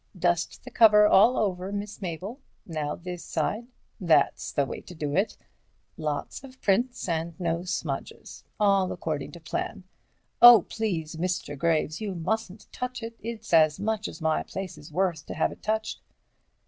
Dust the cover all over, Miss Mabel; now this side—that's the way to do it. Lots of prints and no smudges. All according to plan. Oh, please, Mr. Graves, you mustn't touch it—it's as much as my place is worth to have it touched."